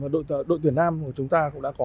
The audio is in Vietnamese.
đội tuyển nam của chúng ta cũng đã phát triển